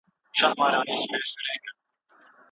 هغوی ته درناوی وکړئ.